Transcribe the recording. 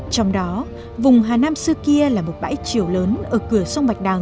trong đó vùng hà nam xưa kia là một bãi triều lớn ở cửa sông vạch đằng